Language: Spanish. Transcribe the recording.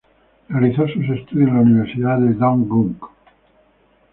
Realizó sus estudios en la Universidad de Dong Guk.